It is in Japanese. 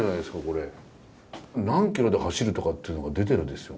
何キロで走るとかっていうのが出てるんですよ